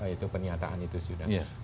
itu penyataan itu sudah